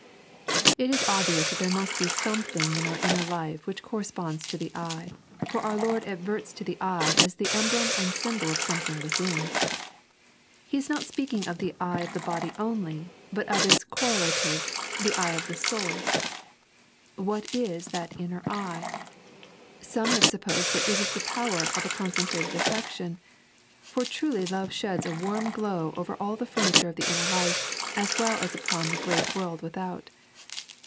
It is obvious that there must be something in onr inner life which corresponds to the eye, for our Lord adverts to the eye as the emblem and symbol of something within. He is not speaking of the eye of the body only, bat of its correlative, the eye of the soul. What is that inner eye T Some have supposed that it is the power of a concentrated affection, for truly love sheds a warm glow over all the furniture of the inner life, as well OS upon the great world without.